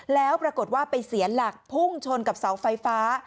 แล้วปรากฏว่าไปเสียหลักพุ่งชนกับเสาไฟฟ้า